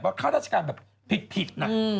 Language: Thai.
เพราะข้าราชการผิดผิดนัก